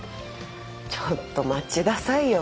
ちょっと待ちださいよ。